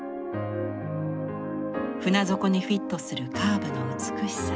船底にフィットするカーブの美しさ。